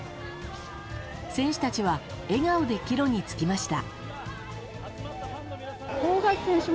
選手たちは笑顔で帰路に就きました。